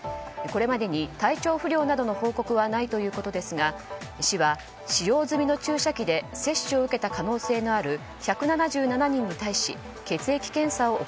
これまでに体調不良などの報告はないということですが市は使用済みの注射器で接種を受けた可能性のある